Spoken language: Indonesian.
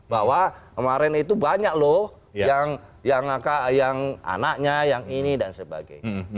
bahwa kemarin itu banyak loh yang anaknya yang ini dan sebagainya